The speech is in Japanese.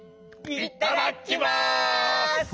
いただきます！